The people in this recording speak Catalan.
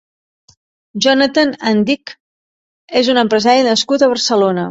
Jonathan Andic és un empresari nascut a Barcelona.